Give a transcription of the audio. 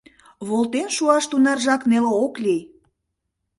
— Волтен шуаш тунаржак неле ок лий.